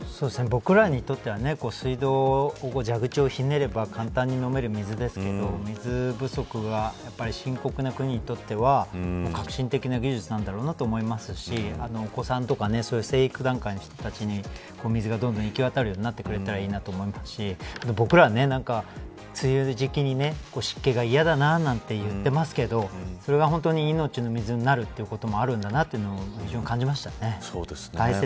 僕らにとっては水道は蛇口をひねれば簡単に飲める水ですけど水不足が深刻な国にとっては革新的な技術なんだろうなと思いますしお子さんとか生育段階の人たちに水がどんどん行き渡るようになってくれたらいいなと思いますし僕らは、梅雨時期に湿気が嫌だななんて言ってますけどそれが本当に命の水になることもあるんだなというのも非常に感じましたね。